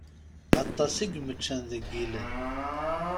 Aṭas i yemeččen deg ilel.